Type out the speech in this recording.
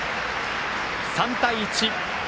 ３対１。